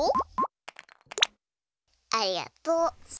ありがとう。